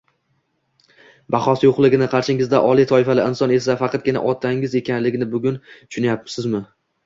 bahosi yo'qligini, qarshingizdagi oliy toifali inson esa faqatgina otangiz ekanligini bugun tushinayapsizmi